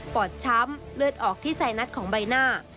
อดช้ำเลือดออกที่ไซนัสของใบหน้า